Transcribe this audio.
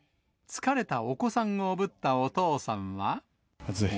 疲れたお子さんをおぶったお暑い。